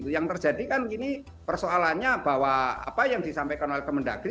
yang terjadi kan gini persoalannya bahwa apa yang disampaikan oleh kemendagri